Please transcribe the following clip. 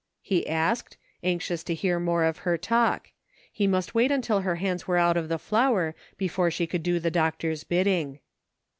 " he asked, anxious to hear more of her talk ; he must wait until her hands were out of the flour before she could do the doctor's bidding.